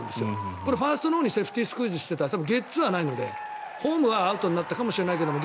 これはファーストのほうにスクイズしていたら多分ゲッツーはないのでホームはアウトになったかもしれないけど